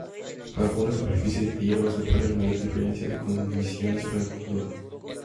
Bajo una superficie de hierba, supone la mayor diferencia de condiciones para el jugador.